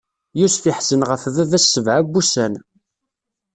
Yusef iḥzen ɣef baba-s sebɛa n wussan.